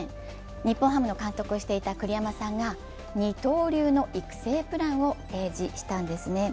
日本ハムの監督をしていた栗山さんが二刀流の育成プランを提示したんですね。